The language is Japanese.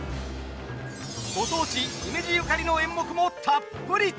ご当地姫路ゆかりの演目もたっぷりと。